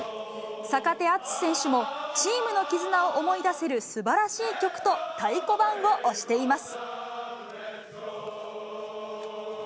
坂手淳史選手もチームの絆を思い出せるすばらしい曲と、太鼓判を押しています。